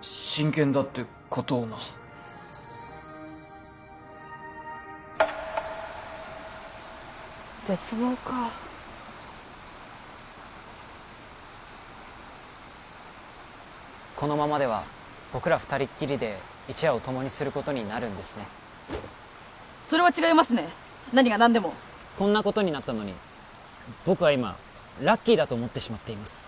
真剣だってことをな絶望かこのままでは僕ら二人っきりで一夜を共にすることになるんですねそれは違いますね何が何でもこんなことになったのに僕は今ラッキーだと思ってしまっています